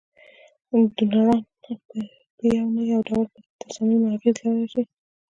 ډونران په یو نه یو ډول په تصامیمو اغیز لرلای شي.